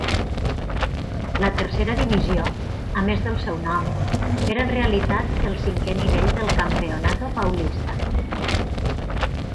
La Tercera Divisió, a més del seu nom, era en realitat el cinquè nivell del Campeonato Paulista.